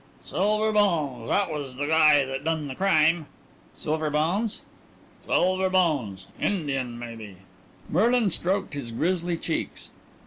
"Silver Bones. That was the guy that done the crime." "Silver Bones?" "Silver Bones. Indian, maybe." Merlin, stroked his grizzly cheeks.